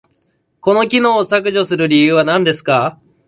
この機能を削除する理由は何ですか？